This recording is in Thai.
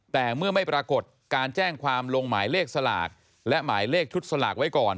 แต่เมื่อไม่ปรากฏการแจ้งความลงหมายเลขสลากและหมายเลขชุดสลากไว้ก่อน